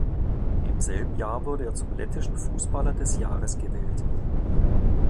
Im selben Jahr wurde er zum lettischen Fußballer des Jahres gewählt.